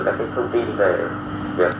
các thông tin về việc